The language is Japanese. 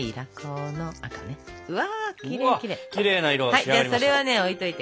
はい。